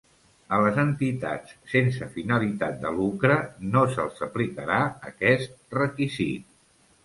A les entitats sense finalitat de lucre, no se'ls aplicarà aquest requisit.